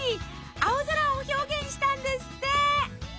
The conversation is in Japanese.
青空を表現したんですって！